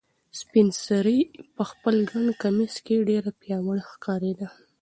سپین سرې په خپل ګڼ کمیس کې ډېره پیاوړې ښکارېده.